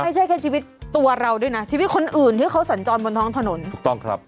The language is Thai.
ไม่ใช่แค่ชีวิตตัวเราด้วยนะชีวิตคนอื่นที่เขาสัญจรบนท้องถนนถูกต้องครับ